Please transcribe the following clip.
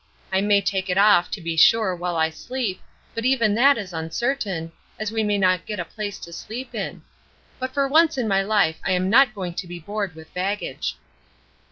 I may take it off, to be sure, while I sleep, but even that is uncertain, as we may not get a place to sleep in; but for once in my life I am not going to be bored with baggage."